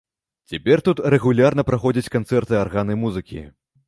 Цяпер тут рэгулярна праходзяць канцэрты арганнай музыкі.